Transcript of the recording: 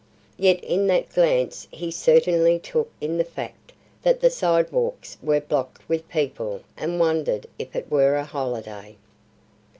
Yet in that glance he certainly took in the fact that the sidewalks were blocked with people and wondered if it were a holiday.